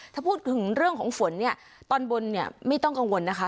ถ้าพูดถึงเรื่องของฝนเนี่ยตอนบนเนี่ยไม่ต้องกังวลนะคะ